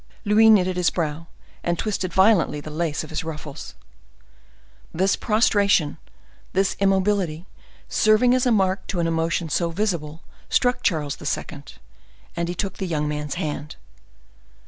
Louis knitted his brow, and twisted violently the lace of his ruffles. This prostration, this immobility, serving as a mark to an emotion so visible, struck Charles II., and he took the young man's hand.